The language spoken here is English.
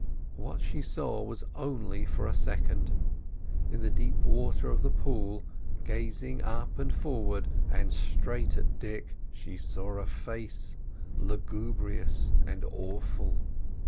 What she saw was only for a second. In the deep water of the pool, gazing up and forward and straight at Dick, she saw a face, lugubrious and awful.